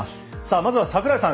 まずは櫻井さん